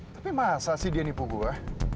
tapi masa sih dia nipu gue